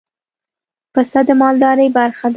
پسه د مالدارۍ برخه ده.